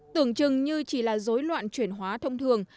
tưởng chừng như chỉ là dối loạn chuyển hóa thông thường